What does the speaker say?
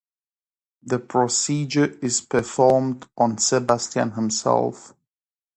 The procedure is performed on Sebastian himself.